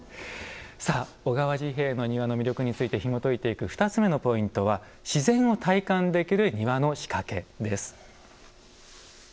さあ小川治兵衛の庭の魅力についてひもといていく２つ目のポイントは自然を体感できる庭の仕掛けです。